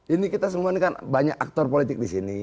ini kita semua ini kan banyak aktor politik di sini